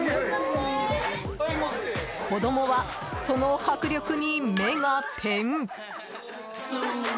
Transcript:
子供はその迫力に目が点。